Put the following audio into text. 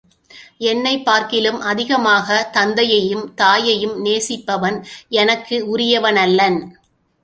என்னைப் பார்க்கிலும் அதிகமாகத் தந்தையையும் தாயையும் நேசிப்பவன் எனக்கு உரியவனல்லன்.